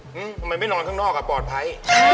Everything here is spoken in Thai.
ทำไมไม่นอนข้างนอกอ่ะปลอดภัย